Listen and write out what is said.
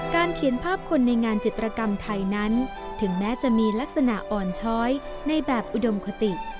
เขียนภาพคนในงานจิตรกรรมไทยนั้นถึงแม้จะมีลักษณะอ่อนช้อยในแบบอุดมคติ